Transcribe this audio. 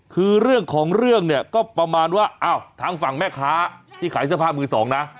คือเรื่องของเรื่องเนี่ยก็ประมาณว่าอ้าวทางฝั่งแม่ค้าที่ขายเสื้อผ้ามือสองนะ